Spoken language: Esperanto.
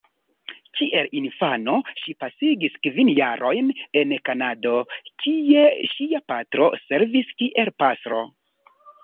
Kiel infano ŝi pasigis kvin jarojn en Kanado, kie ŝia patro servis kiel pastro.